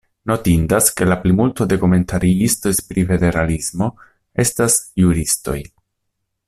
Notindas, ke la plimulto de komentariistoj pri federalismo estas juristoj.